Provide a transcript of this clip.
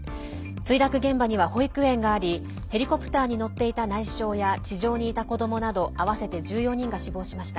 墜落現場には保育園がありヘリコプターに乗っていた内相や地上にいた子どもなど合わせて１４人が死亡しました。